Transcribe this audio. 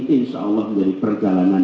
insya allah menjadi perjalanan